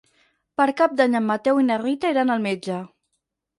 Per Cap d'Any en Mateu i na Rita iran al metge.